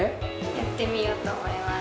やってみようと思います。